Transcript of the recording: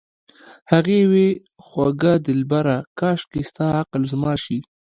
هغې وې خوږه دلبره کاشکې ستا عقل زما شي